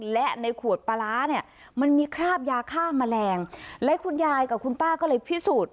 และในขวดปลาร้าเนี่ยมันมีคราบยาฆ่าแมลงและคุณยายกับคุณป้าก็เลยพิสูจน์